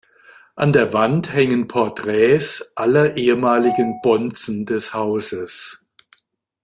An der Wand hängen Porträts aller ehemaligen Bonzen des Hauses.